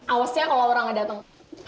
awas ya kalau laura tidak datang